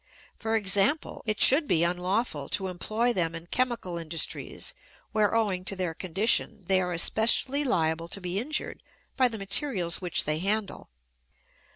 For example, it should be unlawful to employ them in chemical industries where, owing to their condition, they are especially liable to be injured by the materials which they handle.